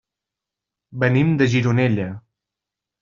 Venim de Gironella.